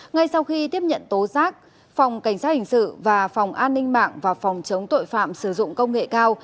ngay sau khi tiếp nhận tố giác phòng cảnh sát hình sự và phòng an ninh mạng và phòng chống tội phạm sử dụng công nghệ cao